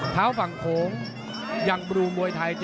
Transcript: ฝั่งโขงยังบรูมวยไทย